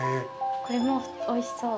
これもおいしそう。